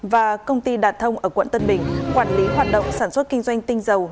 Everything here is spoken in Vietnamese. và công ty đạt thông ở quận tân bình quản lý hoạt động sản xuất kinh doanh tinh dầu